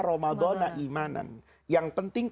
ramadan na'imanan yang penting